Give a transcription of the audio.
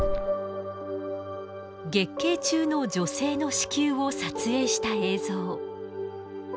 月経中の女性の子宮を撮影した映像。